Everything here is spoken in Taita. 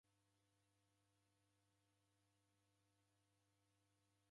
Ichi huw'u kwaw'esekia niki ado.